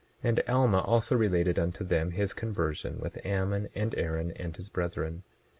And Alma also related unto them his conversion, with Ammon and Aaron, and his brethren.